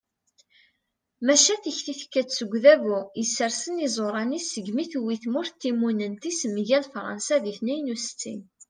maca tikti tekka-d seg udabu yessersen iẓuṛan-is segmi tewwi tmurt timunent-is mgal fṛansa di tniyen u settin